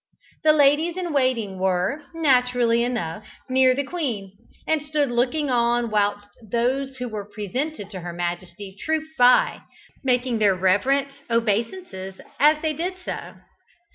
The ladies in waiting were, naturally enough, near the queen, and stood looking on whilst those who were presented to her majesty trooped by, making their reverent obeisances as they did so.